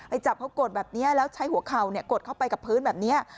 จับเขากดแบบนี้แล้วใช้หัวเข่ากดเข้าไปกับพื้นแบบนี้